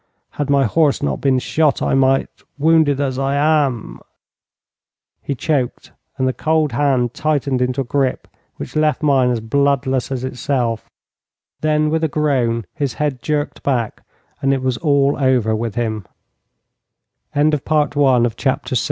Had my horse not been shot, I might, wounded as I am ' He choked, and the cold hand tightened into a grip, which left mine as bloodless as itself. Then, with a groan, his head jerked back, and it was all over with him. Here was a fine start for my journey home.